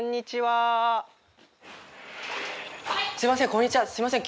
こんにちはすいません